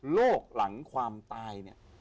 หลังความตายเนี่ย